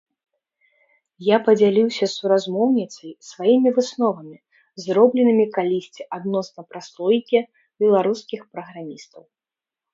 Я падзяліўся з суразмоўніцай сваімі высновамі, зробленымі калісьці адносна праслойкі беларускіх праграмістаў.